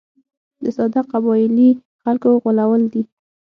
د ساده قبایلي خلکو غولول دي.